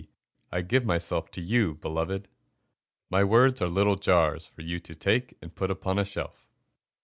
I give myself to you, Beloved! My words are little jars For you to take and put upon a shelf.